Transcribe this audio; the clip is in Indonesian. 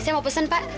saya mau pesen pak